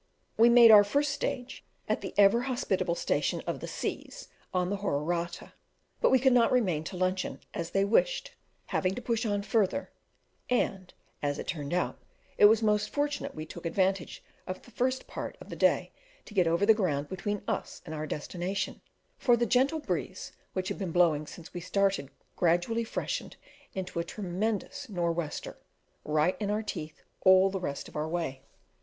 We made our first stage at the ever hospitable station of the C 's, on the Horarata, but we could not remain to luncheon, as they wished, having to push on further; and, as it turned out, it was most fortunate we took advantage of the first part of the day to get over the ground between us and our destination, for the gentle breeze which had been blowing since we started gradually freshened into a tremendous "nor' wester," right in our teeth all the rest of our way.